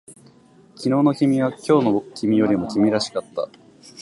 昨日の君は今日の君よりも君らしかった